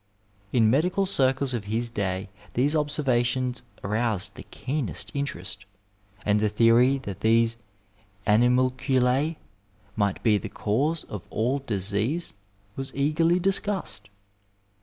In medical circles of his day these observations aroused the keenest interest, and the theory that these " animalculse " might be the cause of all disease was eagerly discussed.